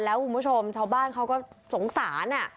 แล้วคุณผู้ชมชาวบ้านเขาก็สงสาร